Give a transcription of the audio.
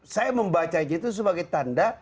saya membaca itu sebagai tanda